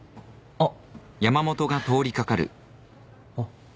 あっ。